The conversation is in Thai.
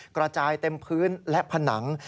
กระจายเต็มพื้นและผนัง